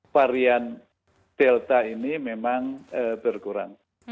varian delta ini memang berkurang